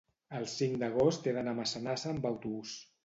El cinc d'agost he d'anar a Massanassa amb autobús.